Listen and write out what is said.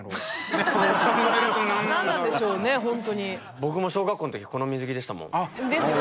僕も小学校の時この水着でしたもん。ですよね。